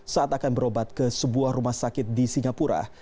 saat akan berobat ke sebuah rumah sakit di singapura